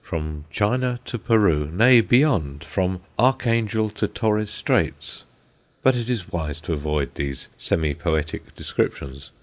From China to Peru nay, beyond, from Archangel to Torres Straits, but it is wise to avoid these semi poetic descriptions.